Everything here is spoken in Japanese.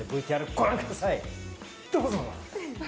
ＶＴＲをご覧ください、どうぞ！